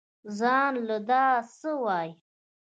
زان له دا سه وايې.